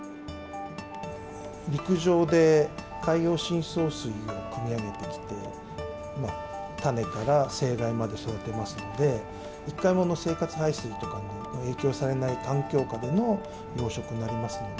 陸上で海洋深層水をくみ上げてきて、種から成貝まで育てますので、生活排水とかに影響されない環境下での養殖になりますので。